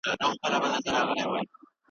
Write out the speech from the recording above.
د ټولنیز عدالت رامنځته کول ضروري دی.